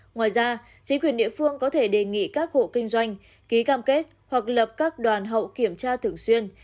ngoài ra chính quyền địa phương có thể đề nghị các hộ kinh doanh ký cam kết hoặc lập các đoàn hậu kiểm tra thường xuyên